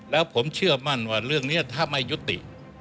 แล้วผมเชื่อมั่นว่าเรื่องนี้ถ้าไม่ยุติ